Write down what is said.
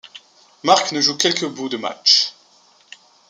Marques ne joue quelque bout de matche.